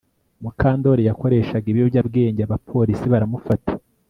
Mukandoli yakoreshaga ibiyobyabwenge abapolisi baramufata